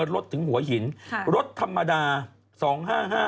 รถดวนพิเศษ๓๙เนี่ย